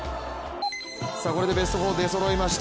これでベスト４、出そろいました。